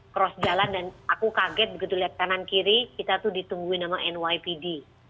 cross jalan dan aku kaget begitu lihat kanan kiri kita tuh ditungguin sama nypd